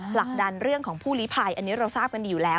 ผลักดันเรื่องของผู้ลิภัยอันนี้เราทราบกันอยู่แล้ว